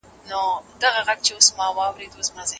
څو به زمان ګرځوي موجونه له بېړیو